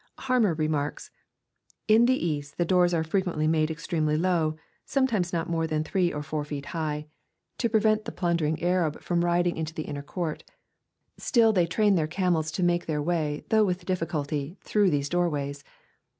Harmer remarks, " In the East the doors are frequently mada extremely low, sometimes not more than three or four feet high. LUKE, CHAP. iVIII. 277 to peven: the plundering Arab from riding into the inner court. Still they train their camels to make their way, though with diffi culty, through these door ways.